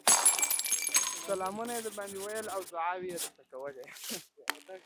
سلامونه يې درباندې ويل او دعاوې يې درته کولې